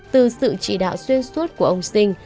từ sự chỉ đạo xuyên suốt của ông sinh